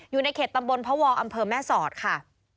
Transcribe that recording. อยู่ในเขตตำบลพวอำเภอแม่สอดค่ะ